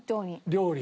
料理？